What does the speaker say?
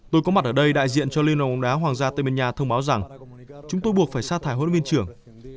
tôi có mặt ở đây đại diện cho liên lòng đá hoàng gia tây minh nha thông báo rằng chúng tôi buộc phải sa thải huấn luyện viên trưởng